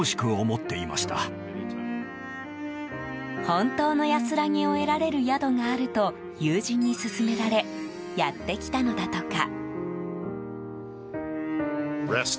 本当の安らぎを得られる宿があると友人に勧められやってきたのだとか。